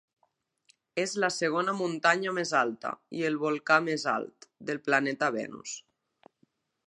És la segona muntanya més alta, i el volcà més alt, del planeta Venus.